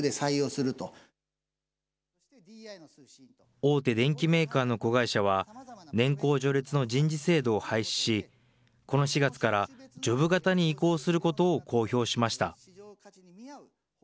大手電機メーカーの子会社は、年功序列の人事制度を廃止し、この４月からジョブ型に移行することを公表しました。